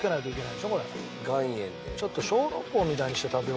ちょっと小籠包みたいにして食べようかな。